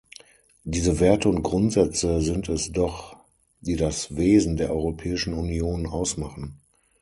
Diese Werte und Grundsätze sind es doch, die das Wesen der Europäischen Union ausmachen.